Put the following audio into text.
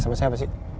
sama siapa sih